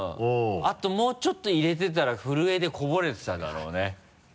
あともうちょっと入れてたら震えでこぼれてただろうね。